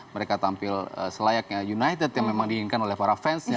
mereka tampil selayaknya united yang memang diinginkan oleh para fansnya